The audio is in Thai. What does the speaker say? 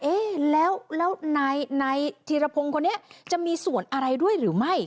เอ๊ะแล้วนายธีรพงศ์คนนี้จะมีส่วนอะไรด้วยหรือไม่